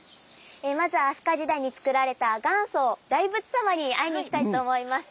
まずは飛鳥時代につくられた元祖大仏様に会いに行きたいと思います！